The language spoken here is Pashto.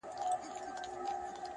زما له زوره ابادیږي لوی ملکونه-